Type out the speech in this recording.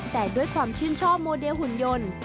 แต่ด้วยความชื่นชอบโมเดลหุ่นยนต์